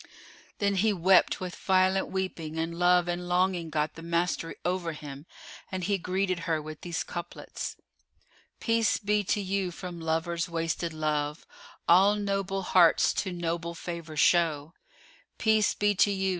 Then he wept with violent weeping; and love and longing got the mastery over him and he greeted her with these couplets, "Peace be to you from lover's wasted love, * All noble hearts to noble favour show: Peace be to you!